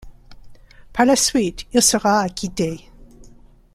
Par la suite, il sera acquitté.